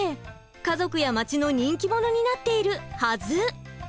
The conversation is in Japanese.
家族や町の人気者になっているはず。